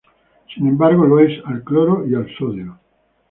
Sin embargo, lo es al cloro y al sodio.